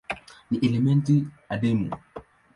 Ni elementi adimu.